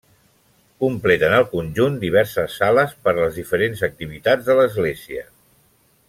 Completen el conjunt diverses sales per a les diferents activitats de l'església.